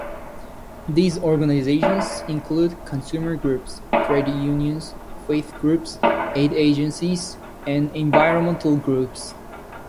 These organizations include consumer groups, trade unions, faith groups, aid agencies and environmental groups.